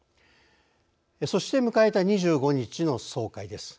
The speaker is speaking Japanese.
そして迎えた２５日の総会です。